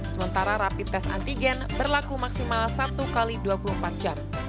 sementara rapid test antigen berlaku maksimal satu x dua puluh empat jam